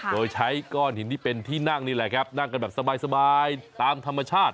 โดยใช้ก้อนหินที่เป็นที่นั่งนี่แหละครับนั่งกันแบบสบายตามธรรมชาติ